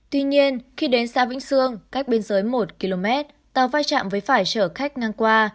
tuy nhiên khi đến xa vĩnh sương cách bên dưới một km tàu vai trạm với phải chở khách ngang qua